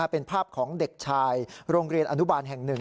เป็นภาพของเด็กชายโรงเรียนอนุบาลแห่งหนึ่ง